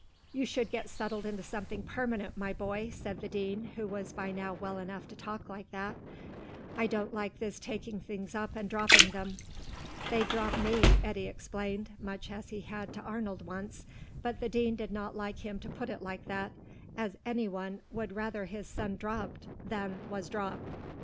"You should get settled with something permanent, my boy," said the Dean, who was by now well enough to talk like that. "I don't like this taking things up and dropping them." "They drop me," Eddy explained, much as he had to Arnold once, but the Dean did not like him to put it like that, as anyone would rather his son dropped than was dropped.